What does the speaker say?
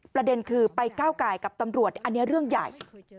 ประเด็นคือไปก้าวไก่กับตำรวจอันนี้เรื่องใหญ่